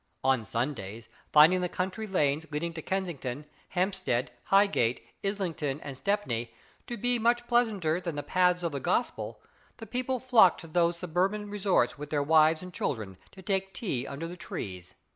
On Sundays, finding the country lanes leading to Kensington, Hampstead, Highgate, Islington, and Stepney, "to be much pleasanter than the paths of the gospel," the people flocked to those suburban resorts with their wives and children, to take tea under the trees.